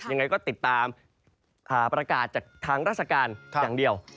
ยังไงก็ติดตามประกาศจากทางราชการอย่างเดียว